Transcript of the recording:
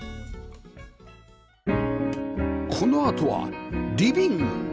このあとはリビング